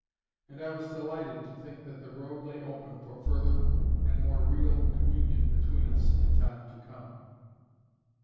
And I was delighted to think that the road lay open for further and more real communion between us in time to come.